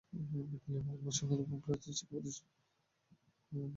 বিদ্যালয়টি ভারতবর্ষের অন্যতম প্রাচীন শিক্ষা প্রতিষ্ঠান।